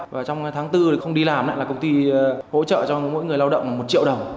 và trong tháng bốn thì không đi làm là công ty hỗ trợ cho mỗi người lao động một triệu đồng